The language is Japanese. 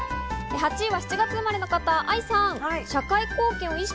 ８位は７月生まれの方、愛さん。